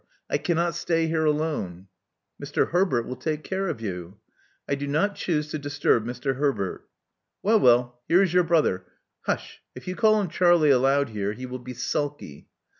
I cannot stay here alone.'* Mr. Herbert will take care of you." I do not choose to disturb Mr. Herbert.'* *'Well, well, here is your brother. Hush! — if you call him Charlie aloud here, he will be sulky.